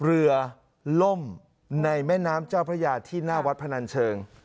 เรือล่มในแม่น้ำเจ้าพระยาที่หน้าวัดพนันเชิง